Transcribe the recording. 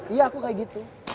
iya aku kayak gitu